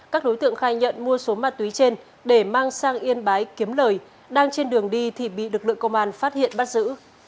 các đối tượng khai nhận mua số ma túy trên để mang sang yên bái kiếm lời đang trên đường đi thì bị lực lượng công an phát hiện bắt giữ